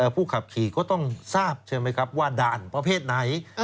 ผู้ขับขี่ก็ต้องทราบใช่ไหมครับว่าด่านประเภทไหน